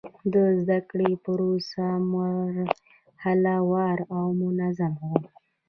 د زده کړې پروسه مرحله وار او منظم و.